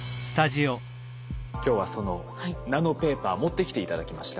今日はそのナノペーパー持ってきて頂きました。